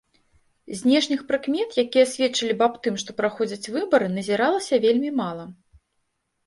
Знешніх прыкмет, якія сведчылі аб тым, што праходзяць выбары, назіралася вельмі мала.